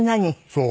そう。